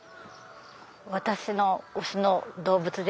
私の推しの動物です。